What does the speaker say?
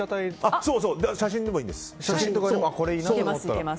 写真とかでもいいんですよ。